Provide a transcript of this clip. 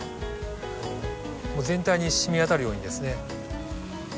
もう全体に染み渡るようにですね。